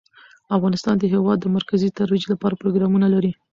افغانستان د هېواد د مرکز ترویج لپاره پروګرامونه لري.